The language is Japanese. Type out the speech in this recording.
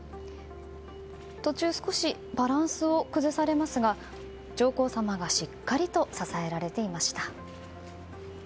途中、少しバランスを崩されますが上皇さまが、しっかりと支えられていました。